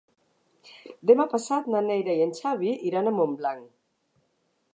Demà passat na Neida i en Xavi iran a Montblanc.